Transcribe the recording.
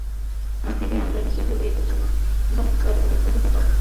আজ থেকেই আমরা বিশেষরূপে এঁদের জন্য ভাববার অধিকার পাব।